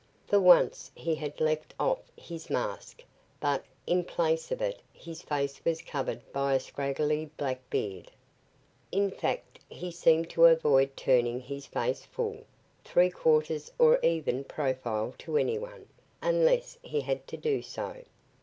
For once he had left off his mask, but, in place of it, his face was covered by a scraggly black beard. In fact, he seemed to avoid turning his face full, three quarters or even profile to anyone, unless he had to do so.